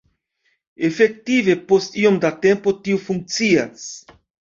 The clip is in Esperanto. Efektive, post iom da tempo, tio funkcias.